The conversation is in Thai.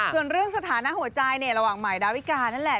ส่วนเรื่องสถานะหัวใจเนี่ยระหว่างใหม่ดาวิกานั่นแหละ